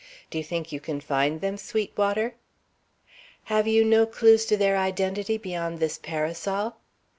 Do you think you can find them, Sweetwater?" "Have you no clews to their identity beyond this parasol?"